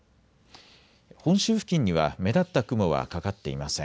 本州付近には目立った雲はかかっていません。